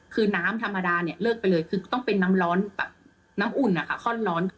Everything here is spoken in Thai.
คือน้ำธรรมดาเนี่ยเลิกไปเลยคือต้องเป็นน้ำร้อนแบบน้ำอุ่นนะคะค่อนร้อน